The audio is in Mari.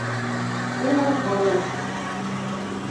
- Умыр пылым.